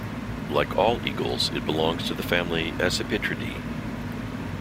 Like all eagles, it belongs to the family Accipitridae.